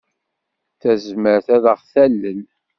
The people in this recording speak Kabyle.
Tezmer ad aɣ-talel?